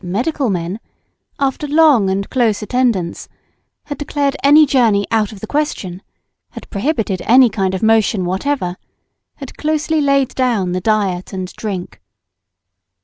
medical men, after long and close attendance, had declared any journey out of the question, had prohibited any kind of motion whatever, had closely laid down the diet and drink.